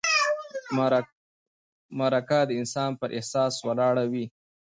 مرکه د انسان پر احساس ولاړه وي.